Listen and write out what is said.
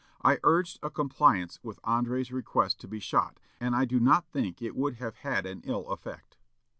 I urged a compliance with André's request to be shot, and I do not think it would have had an ill effect."